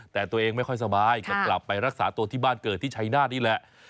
แต่ตัวเองไม่ค่อยสบายก็กลับไปรักษาตัวที่บ้านเกิดที่ชัยนาธินี่แหละ